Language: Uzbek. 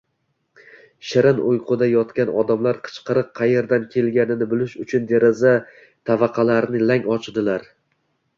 Shirin uyquda yotgan odamlar qichqiriq qaerdan kelganini bilish uchun deraza tavaqalarini lang ochdilar